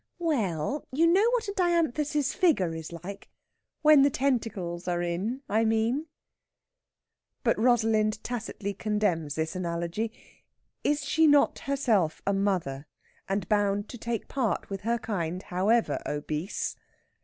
We ell, you know what a dianthus's figure is like? When the tentacles are in, I mean." But Rosalind tacitly condemns the analogy. Is she not herself a mother, and bound to take part with her kind, however obese?